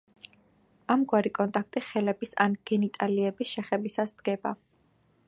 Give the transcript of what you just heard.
ამგვარი კონტაქტი ხელების ან გენიტალიების შეხებისას დგება.